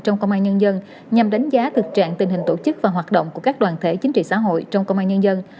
trong công an nhân dân nhằm đánh giá thực trạng tình hình tổ chức và hoạt động của các đoàn thể chính trị xã hội trong công an nhân dân